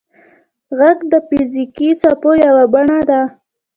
• ږغ د فزیکي څپو یوه بڼه ده.